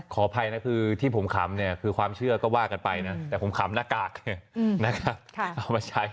ขออภัยนะคือที่ผมขำเนี่ยคือความเชื่อก็ว่ากันไปนะแต่ผมขำหน้ากากนะครับเอามาใช้